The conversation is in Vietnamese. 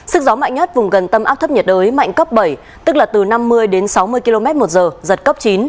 sức gió mạnh nhất vùng gần tâm áp thấp nhiệt đới mạnh cấp bảy tức là từ năm mươi đến sáu mươi km một giờ giật cấp chín